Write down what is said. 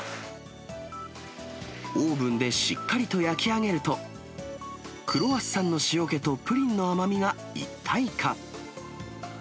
オーブンでしっかりと焼き上げると、クロワッサンの塩気とプリンの甘みが一体化。